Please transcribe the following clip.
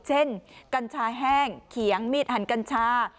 กัญชาแห้งเขียงมีดหันกัญชา